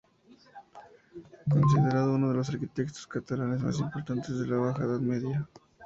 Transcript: Considerado uno de los arquitectos catalanes más importantes de la baja edad media.